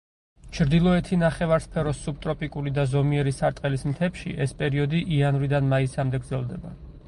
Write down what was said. ჩრდილოეთი ნახევარსფეროს სუბტროპიკული და ზომიერი სარტყლის მთებში ეს პერიოდი იანვრიდან მაისამდე გრძელდება.